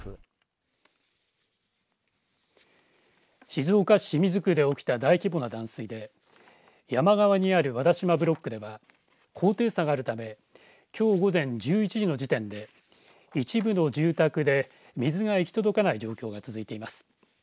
静岡市清水区で起きた大規模な断水で山側にある和田島ブロックでは高低差があるためきょう午前１１時の時点で一部の住宅で水が行き届かない状況が続いています。